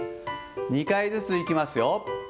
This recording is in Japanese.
２回ずついきますよ。